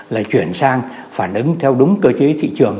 là chuyển sang phản ứng theo đúng cơ chế thị trường